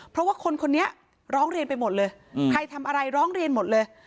เพราะว่าคนคนนี้ร้องเรียนไปหมดเลยใครทำอะไรร้องเรียนหมดเลย